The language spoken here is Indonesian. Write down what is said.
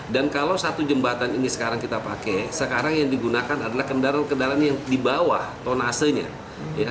dan kalau satu jembatan ini sekarang kita pakai sekarang yang digunakan adalah kendaraan kendaraan yang dibawah tonasenya